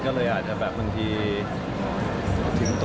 มันก็จะแบบคบกันแบบฝรั่งหน่อยค่ะ